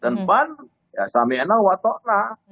dan pan ya sami enak watak nak